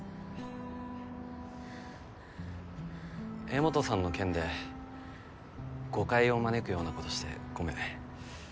江本さんの件で誤解を招くようなことしてごめん。